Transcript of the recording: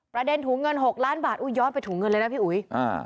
ประเด็นถุงเงิน๖ล้านบาทอุ๊ยยอดไปถุงเงินเลยนะพี่อุ๊ย